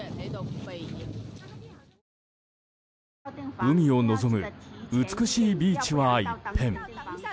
海を望む美しいビーチは一変。